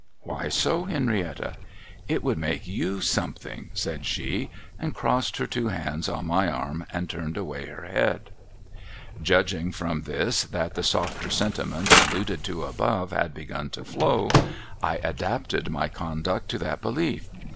Why so, Henrietta ?'' I would make you Something,' said she, and crossed her two hands on my arm, and turned away her head. Judging from this that the softer sentiments alluded to above had begun to flow, I adapted my conduct to that belief.